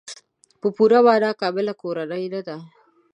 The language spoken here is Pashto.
په پوره معنا کامله کورنۍ نه ده.